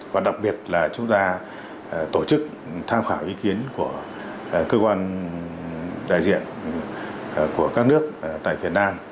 và đặc biệt là chúng ta tổ chức tham khảo ý kiến của cơ quan đại diện của các nước tại việt nam